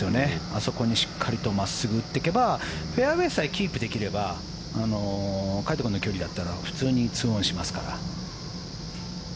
あそこにしっかりと真っすぐ打っていけばフェアウェーさえキープできれば魁斗君の距離だったら普通に２オンしますから。